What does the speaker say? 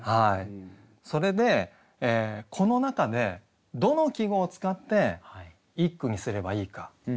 それでこの中でどの季語を使って一句にすればいいか。